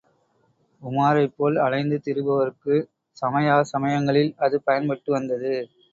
உமாரைப் போல் அலைந்து திரிபவர்க்கும் சமயா சமயங்களில் அது பயன்பட்டு வந்தது.